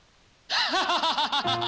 ハハハハハハハハ！